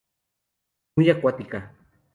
Muy acuática.